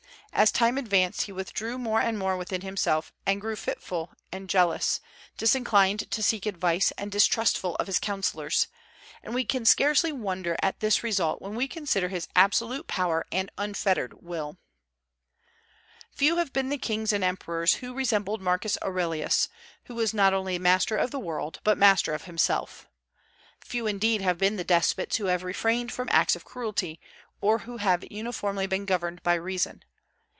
As time advanced he withdrew more and more within himself, and grew fitful and jealous, disinclined to seek advice, and distrustful of his counsellors; and we can scarcely wonder at this result when we consider his absolute power and unfettered will. Few have been the kings and emperors who resembled Marcus Aurelius, who was not only master of the world, but master of himself. Few indeed have been the despots who have refrained from acts of cruelty, or who have uniformly been governed by reason.